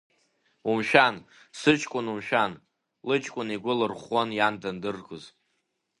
Умшәан, сыҷкәын, умшәан, лыҷкәын игәы лырӷәӷәон иан даныргоз.